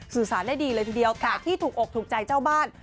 สื่อสารได้ดีเลยทีเดียวแต่ที่ถูกอกถูกใจเจ้าบ้าน